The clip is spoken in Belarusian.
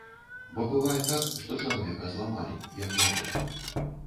Бо бывае так, што чалавека зламалі, як яго.